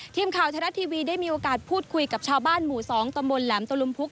ทีมข่าวไทยรัฐทีวีได้มีโอกาสพูดคุยกับชาวบ้านหมู่๒ตำบลแหลมตะลุมพุก